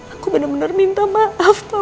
aku bener bener minta maaf pak